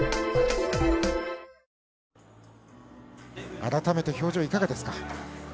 改めて表情いかがですか？